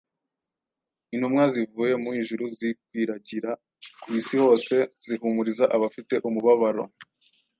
intumwa zivuye mu ijuru zikwiragira ku isi hose zihumuriza abafite umubabaro,